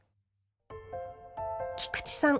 菊池さん